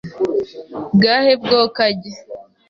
Bwahe bwo kajya!!